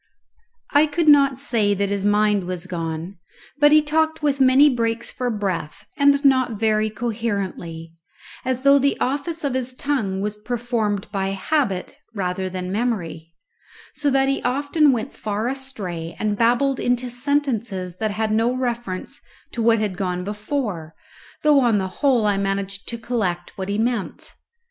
I could not say that his mind was gone, but he talked with many breaks for breath, and not very coherently, as though the office of his tongue was performed by habit rather than memory, so that he often went far astray and babbled into sentences that had no reference to what had gone before, though on the whole I managed to collect what he meant.